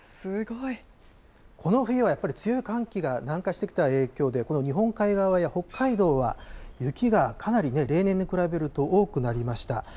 この冬はやっぱり強い寒気が南下してきた影響で、この日本海側や北海道は雪がかなり例年に比べると、多くなりました。